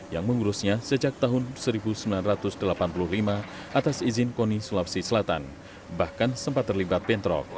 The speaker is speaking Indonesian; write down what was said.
yang mengurusnya sejak tahun seribu sembilan ratus delapan puluh lima atas izin koni sulawesi selatan bahkan sempat terlibat bentrok